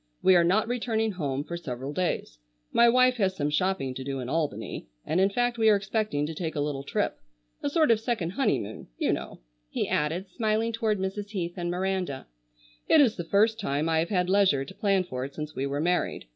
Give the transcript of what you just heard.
We are not returning home for several days. My wife has some shopping to do in Albany, and in fact we are expecting to take a little trip. A sort of second honeymoon, you know,"—he added, smiling toward Mrs. Heath and Miranda; "it is the first time I have had leisure to plan for it since we were married.